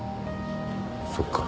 そっか。